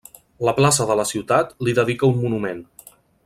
La plaça de la ciutat li dedica un monument.